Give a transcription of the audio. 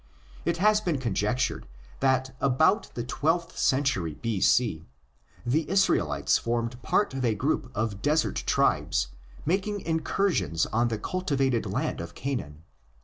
It has been conjectured that about the twelfth century s.c. the Israelites formed part of a group of desert tribes making incursions on the cultivated land of Canaan.